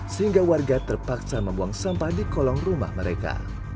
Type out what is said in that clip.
sehingga warga terpaksa membuang sampah di kolong rumah mereka